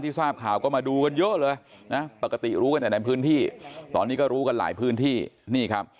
ที่ทราบข่าวก็มาดูตัวเยอะเลยนับปกติลุกันแล้วพื้นที่ตอนนี้ก็รู้กันหลายพื้นที่นี่